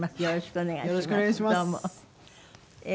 よろしくお願いします。